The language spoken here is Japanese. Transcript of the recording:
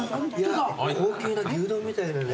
高級な牛丼みたいだね。